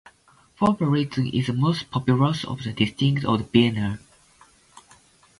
Favoriten is the most populous of the districts of Vienna.